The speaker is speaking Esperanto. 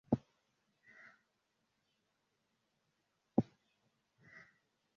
Estas irigacio nur el kelkaj putoj.